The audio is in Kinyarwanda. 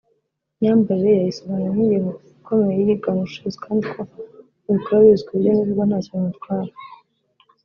Imyambarire ye ayisobanura nk’ingingo ikomeye yigana ubushishozi kandi ko abikora abizi kuburyo n’ibivugwa ntacyo bimutwara